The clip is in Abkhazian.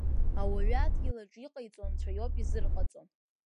Ауаҩы адгьыл аҿы иҟаиҵо анцәа иоуп изырҟаҵо.